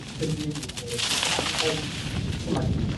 Connex was unable to guarantee services across the network.